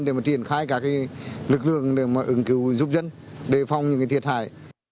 để mà triển khai các lực lượng để ứng cứu giúp dân đề phong những thiệt hại